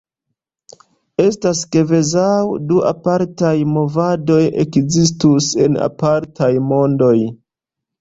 Estas kvazaŭ du apartaj movadoj ekzistus en apartaj mondoj.